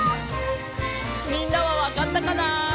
みんなはわかったかな？